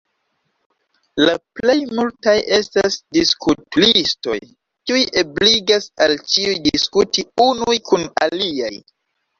La plej multaj estas "diskut-listoj" kiuj ebligas al ĉiuj diskuti unuj kun la aliaj.